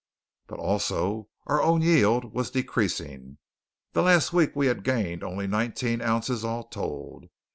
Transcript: But, also, our own yield was decreasing. The last week we had gained only nineteen ounces all told.